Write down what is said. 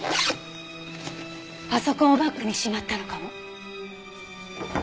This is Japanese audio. パソコンをバッグにしまったのかも。